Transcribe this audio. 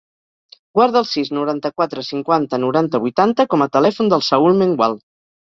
Guarda el sis, noranta-quatre, cinquanta, noranta, vuitanta com a telèfon del Saül Mengual.